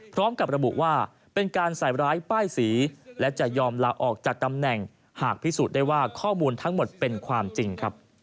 พร้อมกับระบุว่าเป็นการใส่ร้ายป้ายสีและจะยอมลาออกจากตำแหน่งหากพิสูจน์ได้ว่าข้อมูลทั้งหมดเป็นความจริงครับ